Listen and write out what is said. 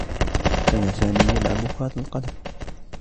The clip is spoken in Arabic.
كان سامي يلعب كرة القدم.